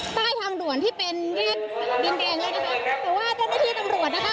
ใต้ทางด่วนที่เป็นแยกดินแดงแล้วนะคะแต่ว่าเจ้าหน้าที่ตำรวจนะคะ